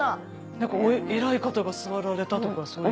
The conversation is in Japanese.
何か偉い方が座られたとかそういう。